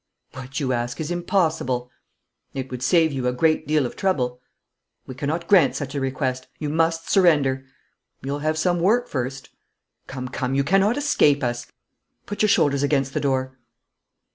'What you ask is impossible.' 'It would save you a great deal of trouble.' 'We cannot grant such a request. You must surrender.' 'You'll have some work first.' 'Come, come, you cannot escape us. Put your shoulders against the door!